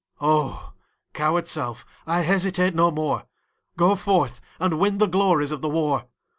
O! coward self I hesitate no more; Go forth, and win the glories of the war.